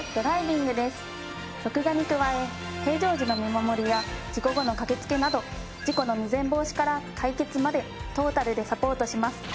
録画に加え平常時の見守りや事故後の駆けつけなど事故の未然防止から解決までトータルでサポートします。